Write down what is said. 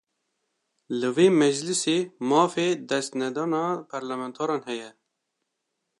Li vê meclîsê, mafê destnedana parlementeran heye